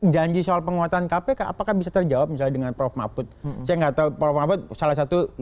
janji soal penguatan kpk apakah bisa terjawab misalnya dengan prof mahfud saya nggak tahu prof mahfud salah satu